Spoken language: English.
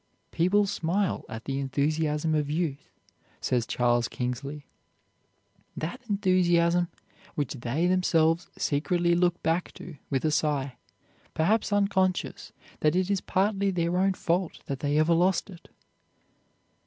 "People smile at the enthusiasm of youth," says Charles Kingsley; "that enthusiasm which they themselves secretly look back to with a sigh, perhaps unconscious that it is partly their own fault that they ever lost it."